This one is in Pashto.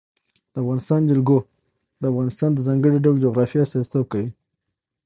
د افغانستان جلکو د افغانستان د ځانګړي ډول جغرافیه استازیتوب کوي.